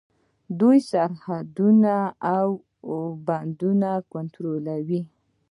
دوی سرحدونه او بندرونه کنټرولوي.